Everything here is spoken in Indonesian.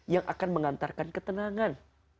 yang akan mengantarkan ketenangan